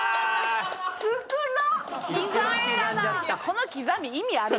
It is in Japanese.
この刻み意味ある？